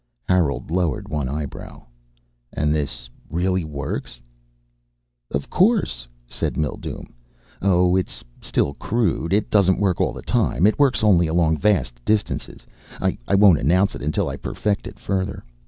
Harold lowered one eyebrow. "And this really works?" "Of course," said Mildume. "Oh, it's still crude. It doesn't work all the time. It works only along vast distances. I won't announce it until I perfect it further.